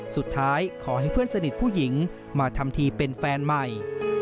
สุดท้ายขอให้เพื่อนสนิทผู้หญิงมาทำทีเป็นแฟนใหม่